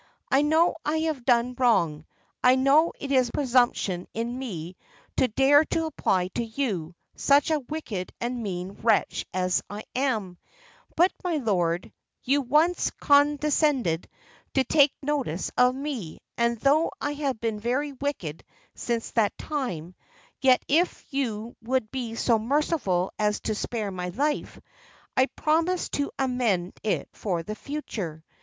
I know I have done wrong. I know it is presumption in me to dare to apply to you, such a wicked and mean wretch as I am; but, my lord, you once condescended to take notice of me; and though I have been very wicked since that time, yet if you would be so merciful as to spare my life, I promise to amend it for the future.